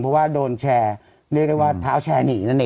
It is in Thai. เพราะว่าโดนแชร์เรียกได้ว่าเท้าแชร์หนีนั่นเอง